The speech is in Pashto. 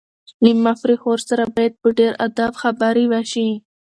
له مشرې خور سره باید په ډېر ادب خبرې وشي.